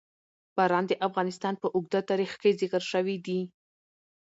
باران د افغانستان په اوږده تاریخ کې ذکر شوي دي.